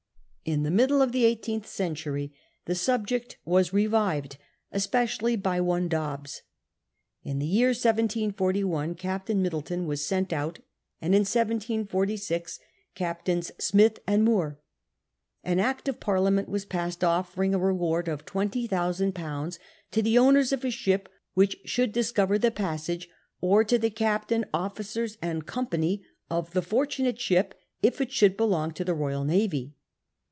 In the middle of the eighteenth century the subject was revived, especially by one Dobbs. In the year 1741 Captain Middleton was sent out, and in 1746 Captains IX THE NORTH WEST PASSAGE "3 Smith and Moore. An Act of Parliament was passed offering a reward of £20,000 to the owners of a shii^ which should discover the passage, or to the captain, officers, and company of the fortunate ship if it should belong to tlie Eoyal Navy.